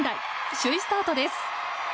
首位スタートです。